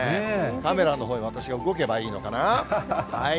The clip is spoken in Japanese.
カメラのほうへ私が動けばいいのかな？